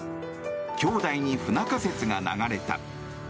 兄弟に不仲説が流れた。